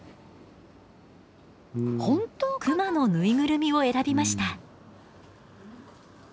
クマの縫いぐるみを選びました。